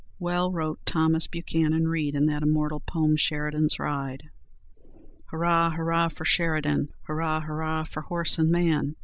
Well wrote Thomas Buchanan Read in that immortal poem, "Sheridan's Ride": "Hurrah! hurrah for Sheridan! Hurrah! hurrah for horse and man!